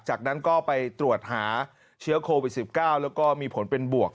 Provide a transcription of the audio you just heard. จากนั้นก็ไปตรวจหาเชื้อโควิด๑๙แล้วก็มีผลเป็นบวก